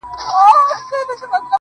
په پوهېدو کي ډېره علاقه لرئ